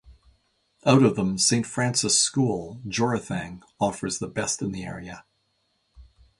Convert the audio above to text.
Out of them Saint Francis' School, Jorethang offers the best in the area.